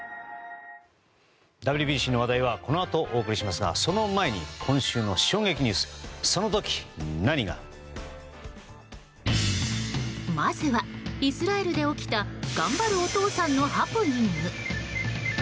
ＷＢＣの話題はこのあとお送りしますがその前に、今週の衝撃ニュースその時何が。まずはイスラエルで起きた頑張るお父さんのハプニング。